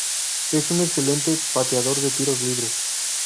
Es un excelente pateador de tiros libres.